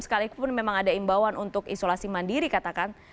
sekalipun memang ada imbauan untuk isolasi mandiri katakan